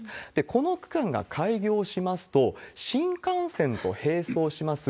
この区間が開業しますと、新幹線と並走します